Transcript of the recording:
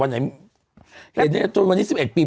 เหี้ยนรถต้นวันที่๑๑ปี